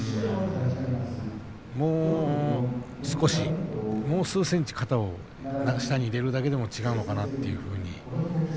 もう少しもう数ｃｍ肩を下に入れるだけでも違うのかな、というふうに。